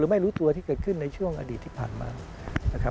ไม่รู้ตัวที่เกิดขึ้นในช่วงอดีตที่ผ่านมานะครับ